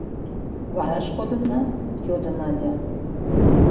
— Вараш кодынна? — йодо Надя.